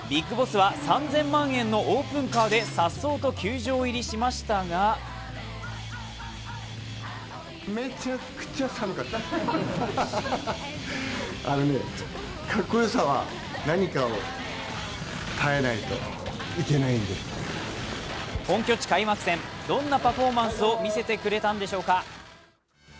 ＢＩＧＢＯＳＳは３０００万円のオープンカーで颯爽と球場入りしましたが本拠地開幕戦、どんなパフォーマンスを見せてくれたんでしょうか？